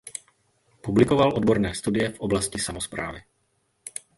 Publikoval odborné studie v oblasti samosprávy.